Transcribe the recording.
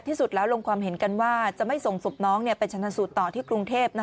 ที่สุดแล้วลงความเห็นกันว่าจะไม่ส่งศพน้องไปชนะสูตรต่อที่กรุงเทพ